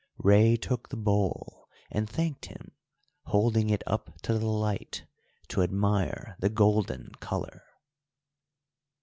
Rei took the bowl, and thanked him, holding it up to the light to admire the golden colour.